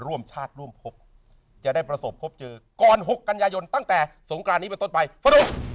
วัน๖กันยายนตั้งแต่สงครานนี้เป็นต้นไปฟันธุม